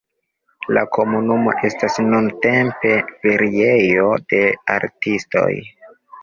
La komunumo estas nuntempe feriejo de artistoj.